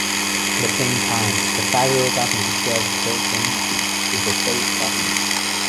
At the same time, the federal government shares sovereignty with the state governments.